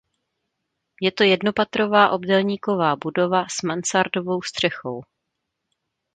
Je to jednopatrová obdélníková budova s mansardovou střechou.